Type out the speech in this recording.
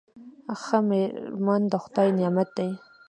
ښه میرمن د خدای نعمت دی.